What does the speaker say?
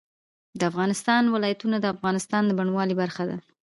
د افغانستان ولايتونه د افغانستان د بڼوالۍ برخه ده.